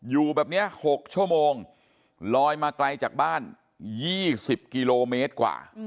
อยู่แบบนี้๖ชั่วโมงลอยมาไกลจากบ้าน๒๐กิโลเมตรกว่า